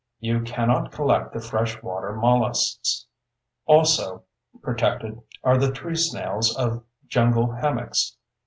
You cannot collect the fresh water molluscs. Also protected are the tree snails of jungle hammocks.